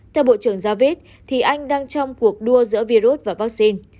theo bộ trưởng javid thì anh đang trong cuộc đua giữa virus và vaccine